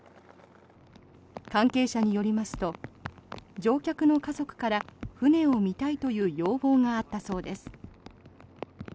関係者によりますと乗客の家族から船を見たいという要望があったそうです。